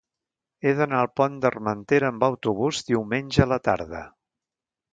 He d'anar al Pont d'Armentera amb autobús diumenge a la tarda.